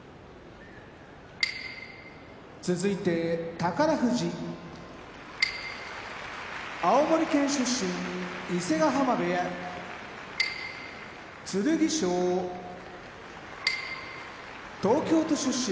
宝富士青森県出身伊勢ヶ濱部屋剣翔東京都出身